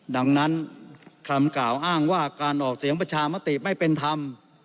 ดังนั้นคำกล่าวอ้างว่าการออกเสียงประชามติไม่เป็นธรรม